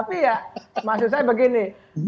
tapi ya maksud saya begini